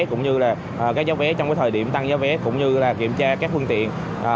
cũng như là giá vé trong thời điểm tăng giá vé cũng như là kiểm tra các phương tiện